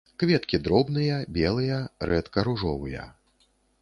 Кветкі дробныя, белыя, рэдка ружовыя.